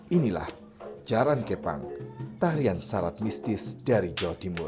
inilah jaran kepang tarian syarat mistis dari jawa timur